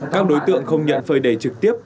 các đối tượng không nhận phơi đề trực tiếp